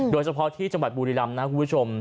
โดยเฉพาะที่จังหวัดบูริรัมณ์นะครับคุณผู้ชม